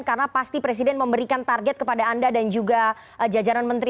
karena pasti presiden memberikan target kepada anda dan juga jajaran menteri